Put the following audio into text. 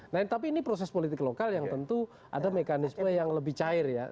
nah tapi ini proses politik lokal yang tentu ada mekanisme yang lebih cair ya